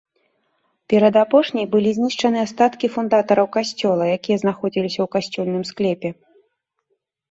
Перад апошняй былі знішчаны астанкі фундатараў касцёла, якія знаходзіліся ў касцельным склепе.